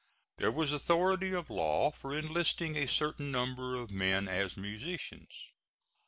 There was authority of law for enlisting a certain number of men as musicians.